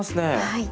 はい。